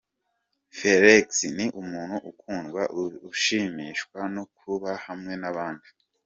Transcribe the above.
Felix ni umuntu ukundwa, ushimishwa no kuba hamwe n’abandi.